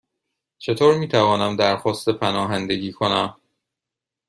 چطور می توانم درخواست پناهندگی کنم؟